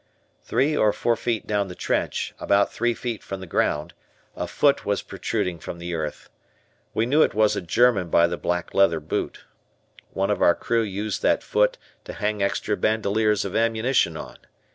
Three or four feet down the trench, about three feet from the ground, a foot was protruding from the earth; we knew it was a German by the black leather boot. One of our crew used that foot to hang extra bandoliers of ammunition on.